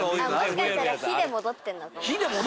もしかしたら火でもどってんの？